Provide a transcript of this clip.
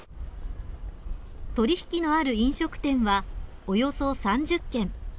取引のある飲食店はおよそ３０軒。